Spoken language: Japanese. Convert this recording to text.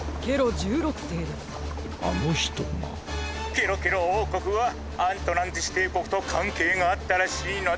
ケロケロおうこくはアントランティスていこくとかんけいがあったらしいのだ。